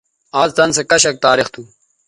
آز څَن سو کشک تاریخ تھو